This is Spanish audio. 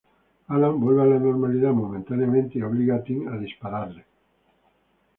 Alan vuelve a la normalidad momentáneamente y obliga a Tim a dispararle.